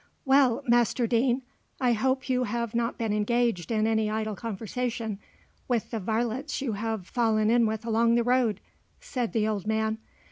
"Well, Master Deane, I hope you have not been engaged in any idle conversation with the varlets you have fallen in with along the road," said the old man.